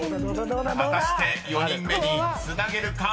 ［果たして４人目につなげるか？］